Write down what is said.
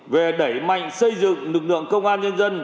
về đẩy mạnh xây dựng lực lượng công an nhân dân